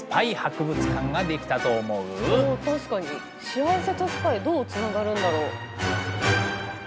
幸せとスパイどうつながるんだろう？